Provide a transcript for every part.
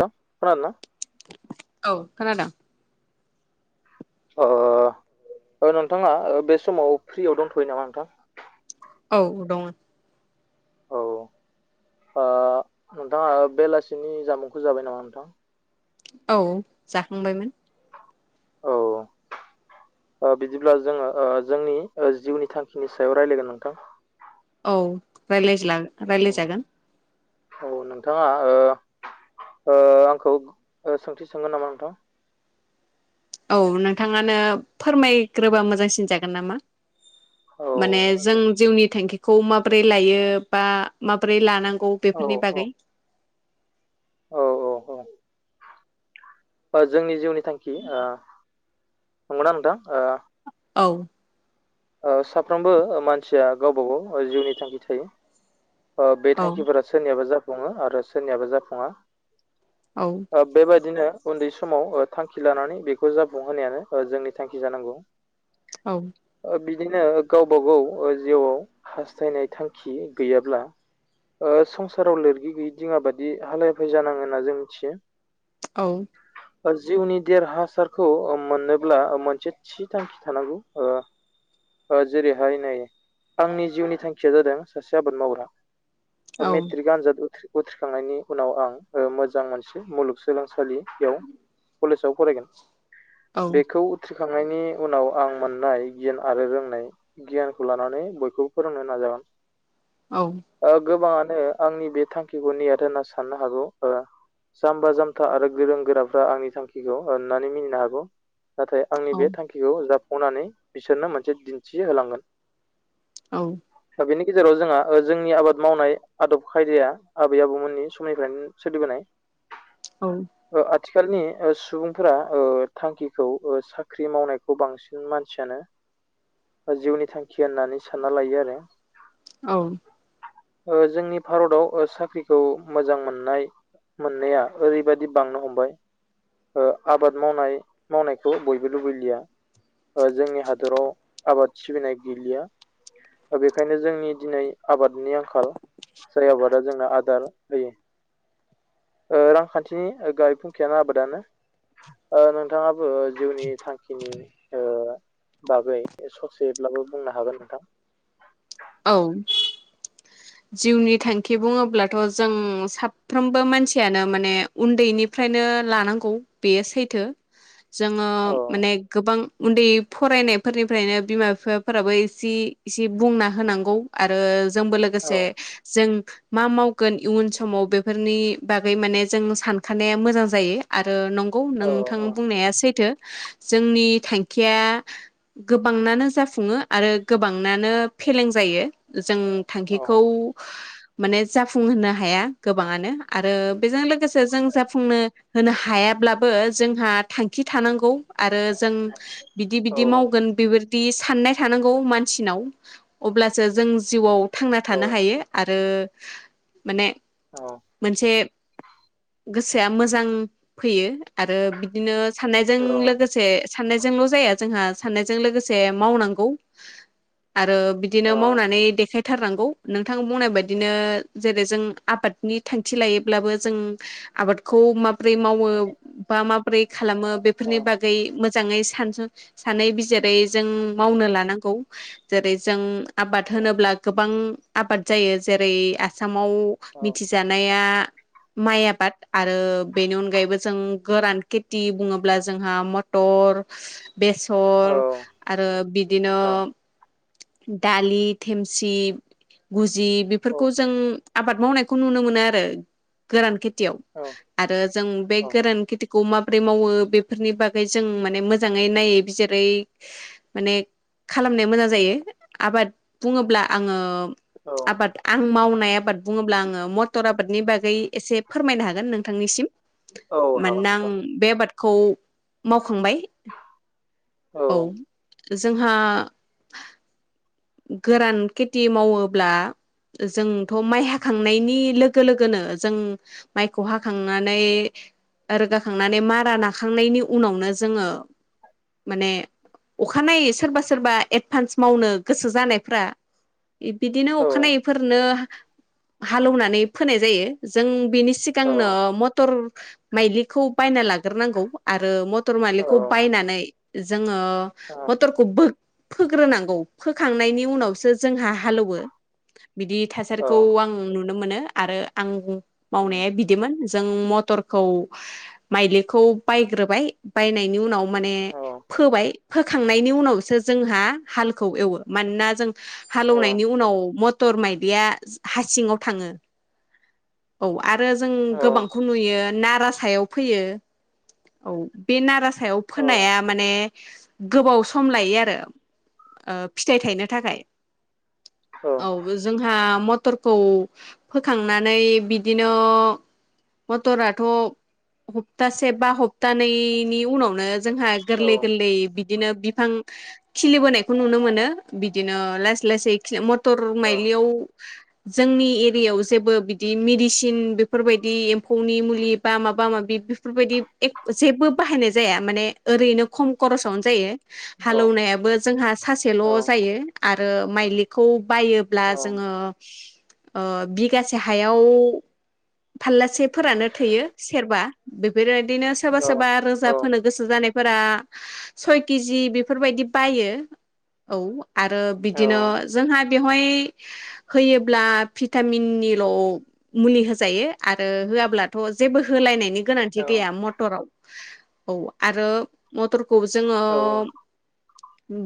खोनादोंना? औ खोनादों? ओ- ओ नोंथाङा बे समाव फ्रियाव दंथ'यो नामा नोंथां? औ दङ। औ ओ-नोंथाङा बेलासिनि, जामुंखौ जाबाय नामा नोंथां औ जाखांबायमोन- औ- ओ बिदिब्ला जोङो ओ जोंनि ओ जिउनि थांखिनि सायाव रायलायगोन नोंथां औ रायलायज्ला रायलायजागोन औ नोंथांङा ओ ओ आंखौ सोंथि सोंगोन नामा नोंथां? औ नोंथांङानो फोरमायग्रोबा मोजांसिन जागोन नामा माने औ जों दे जिउनि थांखिखौ माबोरै लायो बा माबोरै लानांगौ औ बेफोरनि बागै औ -औ -औ बा जोंनि जिउनि थांखि आ नंगौना नोंथां ओ औ ओ साफ्रोमबो ओ मानसिया गावबा - गाव ओ जिउनि थांखि थायो। ओ बे औ थांखिफोरा सोरनियाबा जाफुंङो आरो सोरनियाबा जाफुंङा औ ओ बेबायदिनो उन्दै समाव ओ थांखि लानानै बेखौ जाफुंहोनायानो ओ जोंनि थांखि जानांगौ औ ओ बिदिनो गावबा- गाव ओ जिउआव हास्थायनाय थांखि गैयाब बला ओ संसाराव लोरगि गैयि दिंङा बादि हालाय -हाफाय जानांङो होन्ना जों मिथियो औ ओ जिउनि देरहासारखौ ओ मोननोब्ला ओ मोनसे थि थांखि थानांगौ ओ ओ जेरैहाय नै आंनि जिउनि थांखिया जादों सासे आबाद मावग्रा ओ औ मिथ्रिग आनजाद उत्रिग्रा उथ्रिखांनायनि उनाव आं ओ मोजां मोनसे मुलुगसोलोंसालियाव कलेजाव फरायगोन औ बेखौ उत्रि थांनायनि उनाव आं मोननाय गियान आरो रोंनाय गियानखौ लानानै बयखौबो फोरोंनो नाजागोन [inaudible] औ ओ गोबांङानो आंनि बे थांखिखौ नेैयाद होनना साननो हागौ ओ जाम्बा - जामथा आरो गोरों गोराफ्रा आंनि थांखिखौ अन्नानै मिनिनो हागौ नाथाय आंनि बे थांखिखौ जाफुंनानै बिसोरनो मोनसे दिन्थि होलांगोन औ दा बेनि गेजेराव जोंङा ओ जोंनि आबाद मावनाय आदब खायदाया आबै - आबौमोननि समनिफ्रायनो सोलिबोनाय। औ ओ आथिखालनि ओ सुबुंफोरा ओ थांखिखौ ओ साख्रि मावनायखौ बांसिन मानसियानो ओ जिउनि थांखि होननानै सानना लायो आरो औ ओ जोंनि भारतआव ओ साख्रिखौ मोजां मोननाय मोननाया ओरैबायदि बांनो हमबाय ओ आबाद मावनाय मावनायखौ बयबो लुबैलिया ओ जोंनि हादराव आबाद सिबिनाय गैलिया ओ बेखायनो जोंनि दिनै आबादनि आंखाल जाय आबादा जोंनो आदार होयो। ओ रांखान्थिनि ओ गाहाय फुंखायानो आबादानो ओ नोंथांङा ओ जिउनि थांखिनि ओ बागै ससेब्लाबो बुंनो हागोन नोंथां? औ जिउनि थांखि बुंङोब्लाथ' जों साफ्रोमबो मानसियानो माने उन्दैनिफ्राय नो लानांगौ बेयो सैथो जोंङो औ माने गोबां उन्दै फरायनायफोरनिफ्रायनो बिमा बिफा फोराबो इसे इसे बुंना होनांगौ आरो जोंबो औ लोगोसे जों मा मावगोन इयुन समाव बेफोरनि बागै माने जों सानखानाया मोजां जायो आरो नं गौ औ नोंथां बुंनाया सैथो जोंनि थांखिया गोबांनानो जाफुंङो आरो गोबांनानो फेलें जायो जों था औ खौ माने जाफुंहोनो हाया गोबांङानो आरो बेजों लोगोसे जों जाफुंनो होनो हाया अब्लाबो जोंहा थांखि थानांगौ आरो जों बिदि औ बिदि मावगोन बेफोर बि साननाय थानांगौ मानसिनाव अब्लासो जों जिउआव थांना औ थांनो हायो आरो माने औ मोनसे गोसोआ मोजां फैयो आरो बिदिनो साननायजों लोगोसे साननायजोंल जाया जोंहा साननायजों लोगोसे मावनांगौ। आरो बिदिनो मावनानै देखायथारनांगौ। नोंथां बुंनाय बायदिनो जेरै- जों आबादनि थांखि लायोब्लाबो जों आबादखौ माब्रै मावो बा माब्रै खालामो बेफोरनि बागै मो जाङै सानै बिजिरै जों मावनो लानांगौ जेरै- जों आबाद होनोब्ला गोबां आबाद जायो जेरै आसामाव मिथिजानाया माइ आबाद आरो बेनि अनगायैबो जों गोरान खेथि बुङोब्ला जोंहा मटर बेसर आरो बिदिनो दालि देमसि गुजि बेफोरखौ जों आबाद मावनायखौ नुनो मोनो आरो गोरान खि थियाव आरो जों बे गोरान खेथिखौ माबोरै मावो बेफोरनि बागै जों माने मोजाङै नायै बिजिरै माने खालामनो मोजां जायो आबाद बुङोब्ला आंङो आबाद आं मावनाय आबाद बुङोब्ला आंङो मटर आबादनि बागै एसे फोरमायनो हागोन नोंथांनो सिम मानोना आं बे आबाद खौ मावखांबाय औ जोंहा गोरान खेथि मावोब्ला जोंथ माइ हाखांनायनि लोगो लोगोनो जों माइखौ हाखांनानै रोगाखांनानै मारा नाखांनायनि उनावनो जोंङो माने अखानायै सोरबा सोरबा एदभान्स मावनो गोसो जानायफ्रा बिदिनो अखानायैफोरनो हालौवनानै फोनाय जायो जों बिनि सिगांनो मटर माइलिखौ बायना लाग्रोनांगौ आरो मथर माइलिखौ बायनानै जों जोंङो मथरखौ बो फोग्रोनांगौ फोखांनायनि उनावसो जोंहा हालौवो बिदि थासारिखौ आं नु नुनो मोनो आरो आं मावनाया बिदिमोन। जों मथरखौ माइलिखौ बायग्रोबाय बायनायनि उनाव माने फोबाय फोखांनायनि उनावसो जोंहा हाल खौ एवो मानोना जों हालेवनायनि उनाव म टर माइलिया हासिंङाव थांङो। औ आरो जों गोबांखौ नुयो नारासायाव फोयो औ बे नारा सायाव फोनाया माने गोबाव सम लायो आरो ओ फिथाइ थायनो थाखाय औ जोंहा। मटरखौ फोखांनानै बिदिनो मटराथ' सफ्तासे बा सफ्तानै थानैनि उनावनो जोंहा गोरलै गोरलै बिदिनो बिफां खिलिबोनायखौ खौ नुनो मोनो बिदिनो लासै लासै मथर माइलियाव जोंनि एरियायाव जेबो बिदि मेडिसिन बेफोरबायदि एम्फौनि मुलि बा माबा माबि बेफोरबायदि जेबो बाहायनाय जाया माने ओरैनो खम खरसावनो जायो। हालौवनायाबो जोंहा फिनसेल' जायो आरो माइलिखौ बायोब्ला जोंङो बिगासे हायाव फारलासेफोरानो थोयो सेरबा बेफोरबायदिनो सोरबा सोरबा रोजा फोनो गोसो जानाय फोरा सय केजि बेफोरबायदि बायो औ। आरो बिदिनो जोंहा बेवहाय होयोब्ला भिटामिननिल' मुलि होजायो आरो होआब्लाथ' जेबो होलायनायनि गोनांथि गैया मटराव औ आरो मटर खौ जोङो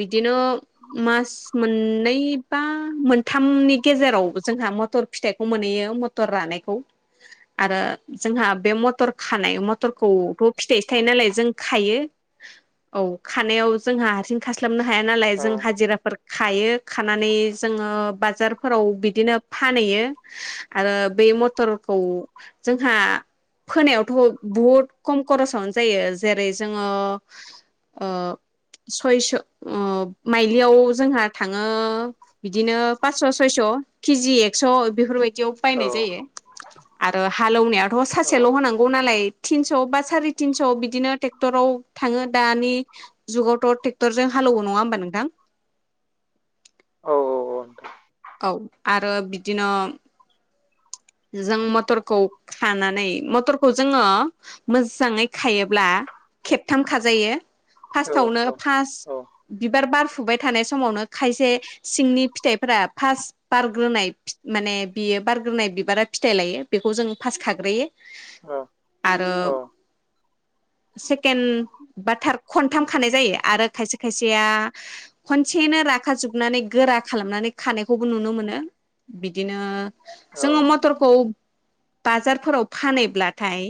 बिदिनो मास मोननै बा मोनथामनि गेजेराव जोंहा मटर फिथाइखौ मोनहैयो मटर रानायखौ। आरो जोंहा बे मटर खानाय मथरखौथ' फिथाइ सो थाइयो नालाय जों खायो। [inaudible] औ खानायाव जोंहा हारसिं खास्लाबनो हाया नालाय जों हाजिराफोर खायो खानानै जोङो बाजारफोराव बिदिनो फानहैयो आरो बे बे मथरखौ जोंहा फोनायावथ' बुहुत खम खरसावनो जायो जेरै जोङो ओ सयस' ओ माइलियाव जोंहा थाङो बिदिनो पास्स' सयस' केजि एक्स' स' बेफोरबायदियाव बायनाय जायो आरो हालेवनायाथ' सासेयाल' होनांगौ नालाय थिनस' बा साराय थिनस' बिदिनो ट्रेक्टराव थाङो दानि जुगावथ' ट्रेक्टरजों हालौयो नङा होमबा नोंथां? औ औ औ। औ आरो बिदिनो जों मटरखौ खानानै मटरखौ जोङो मोजाङै खायोब्ला खेबथाम खाजायो। फार्स्टावनो फास बिबार बारफुबाय थानाय समावनो खायसे सिंनि फिथाइ फोरा फास बारग्रोनाय माने बियो बारग्रोनाय बिबारा फिथाइ लायो बेखौ जों फास खाग्रोयो आरो [inaudible] सेकेड बा थार खनथाम खानाय जायो आरो खायसे खायसेया खनसेनो ला जोबनानै गोरा खालामनानै खानायखौबो नुनो मोनो बिदिनो जोङो म फटरखौ बाजारफोराव फानैब्लाथाय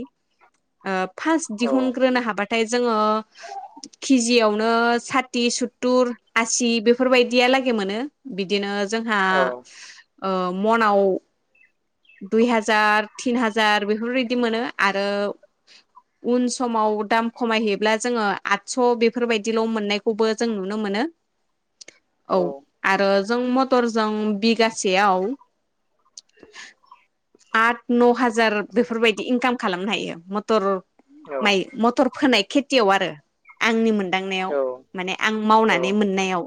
फार्स्ट दिहुनग्रोनो हाबाथाय जोङो केजियावनो साथि सुत्तुर आसि बेफोरबायदिया लागै मोनो बिदिनो जोंहा ओ मनाव दुइ हाजार तिन हाजार बेफोरबायदि मोनो आरो उन समाव दाम खमायहैब्ला जोङो आदस' बेफोरबायदिल' मोननायखौबो जों नुनो मोनो। [inaudible] औ आरो जों मटरजों बिगासेयाव [inaudible] आद न' हाजार बेफोरबायदि इनकाम खालामनो हायो मटर माइ मथर फोनाय खेथियाव आरो आंनि मोनदांनायाव माने आं मावनानै मोननायाव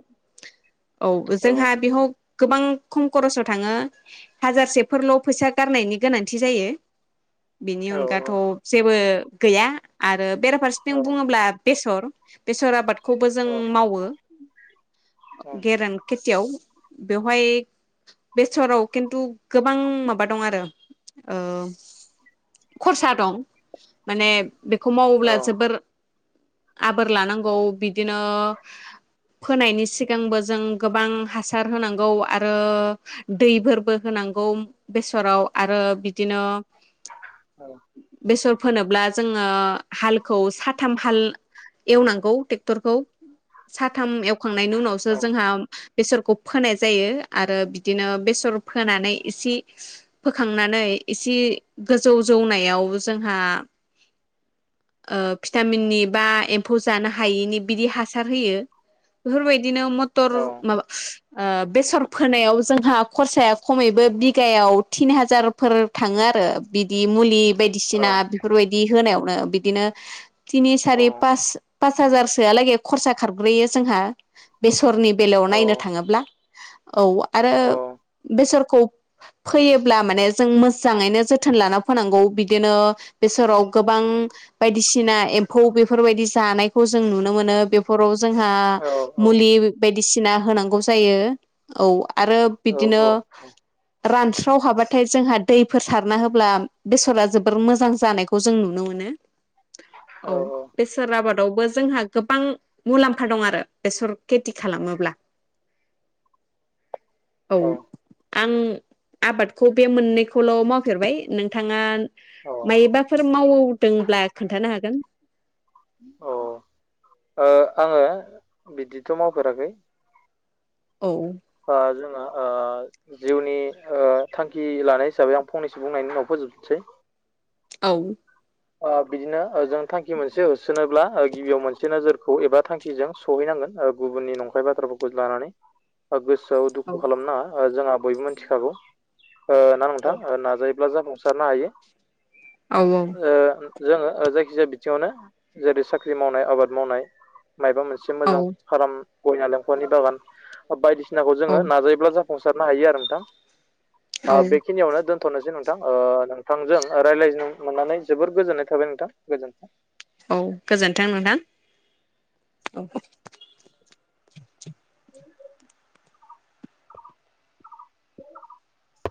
औ जोंहा बेयाव गोबां खम खरसाव थाङो हाजारसेफोरल' फैसा गारनायनि गोनांथि जायो बेनि औ अनगाथ' जेबो गैया आरो औ बेराफारसेथिं बुङोब्ला बेसर बेसर आबादखौबो जों औ मावो [inaudible] औ गेरान खेथियाव बेवहाय बेसराव खिन्थु गोबां माबा दं आरो ओ खरसा दं माने बेखौ औ मावोब्ला जोबोर आबोर लानांगौ बिदिनो फोनायनि सिगांबो जों गोबां हासार होनांगौ आरो दैफोरबो होनां गौ बेसराव आरो बिदिनो औ बेसर फोनोब्ला जोङो हालखौ साथाम हाल एवनांगौ ट्रेक्टरखौ साथाम एवखांनायनि उनावसो औ जोंहा बेसरखौ फोनाय जायो आरो बिदिनो बेसर फोनानै इसे फोखांनानै एसे गोजौ जौनायाव जोंहा ओ भिटामिननि बा एम्फौ जानो हायैनि बिदि हासार होयो बेफोरबाय बिदिनो मथर माबा ओ बेसर फोनायाव जोंहा खरसाया खमैबो बि गायाव थिन हाजारफोर थाङो आरो बिदि मुलि औ बायदिसिना बेफोरबायदि होनायाव ओ बिदिनो थिनि सारि पास हाजारसोआलागै खरसा खारग्रोयो जोंहा बेसरनि बेलायाव नायनो थाङोब्ला औ आरो बेसरखौ फोयोब्ला माने जों मोजाङैनो जोथोन लाना फोनांगौ बिदिनो बेसराव गोबां ओ बायदिसिना एम्फौ बेफोरबायदि जानायखौ जों नुनो मोनो बेफोराव जोंहा मुलि बायदिसिना होनांगौ जायो औ आरो बिदिनो रानस्राव हाबाथाय जोंहा दैफोर सारना होब्ला बेसरा जोबोर मोजां जानायखौ जों नुनो मो नो औ बेसर आबाद आवबो जोंहा गोबां मुलाम्फा दं आरो बेसर खेथि खालामोब्ला [unintelligible] औ आं आबादखौ बे मोननैखौल' मावफेरबाय नोंथाङा औ मायोबाफोर मावदोंब्ला खोन्थानो हागोन अ आङो बिदिथ' मावफेराखै औ ओ जोङो ओ जिउनि ओ थांखि लानाय हिसाबै आं फंनैसो बुंनायनि उनाव फो जोबनोसै औ आ बिदिनो ओ जों थांखि मोनसे होसोनोब्ला ओ गिबियाव मोनसे नोजोरखौ एबा थांखिजों सहैनांगोन ओ गुबुननि नंखाय बाथ्राफोरखौ लानानै ओ गोसोआव औ दुखु खालामनाङा जोंहा बयबो मिन्थिखागौ ओ ना नोंथां नाजायो ब्ला जाफुंसारनो हायो औ औ ओ जोङो जायखिजाया बिथिङावनो जेरै साख्रि मावनाय आबाद मावनाय माइबा मोनसे औ मोजां फार्म गय नालेंकरनि बागान बायदिसिनाखौ जोङो नाजायोब्ला जा फुंसारनो हायो आरो नोंथां ओ औ बेखिनियावनो दोन थनोसै नोंथां नोंथांजों रायलायनो मोननानै जोबोर गोजोननाय थाबाय नोंथां गोजोन्थों औ गोजोन्थों नोंथां औ [unintelligible]